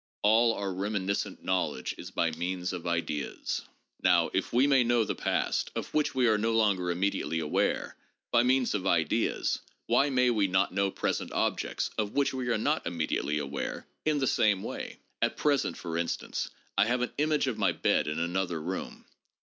All our reminiscent knowledge is by means of ideas. Now if we may know the past, of which we are no longer immediately aware, by means of ideas, why may we not know present objects, of which we are not immediately aware, in the same way ? At present, for instance, I have an image of my bed in another room.